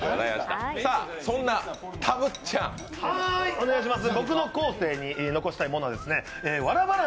そんなたぶっちゃん、お願いします